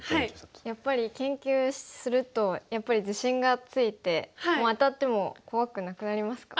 やっぱり研究すると自信がついて当たっても怖くなくなりますか？